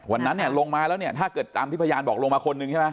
วันนั้นเนี่ยลงมาแล้วเนี่ยถ้าเกิดตามที่พยานบอกลงมาคนนึงใช่ไหม